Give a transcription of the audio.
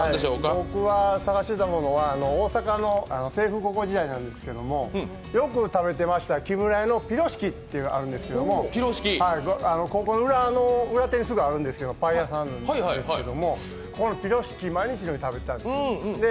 僕が探していたものは大阪の清風高校時代なんですけれどよく食べてました木村屋のピロシキってあるんですけど裏手にすぐあるんですけど、パン屋さんなんですけどもここのピロシキ、毎日のように食べていたんです。